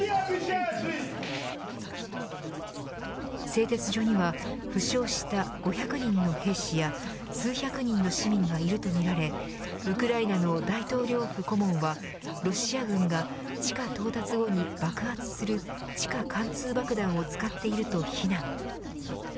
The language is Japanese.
製鉄所には負傷した５００人の兵士や数百人の市民がいるとみられウクライナの大統領府顧問はロシア軍が地下到達後に爆発する地下貫通爆弾を使っていると非難。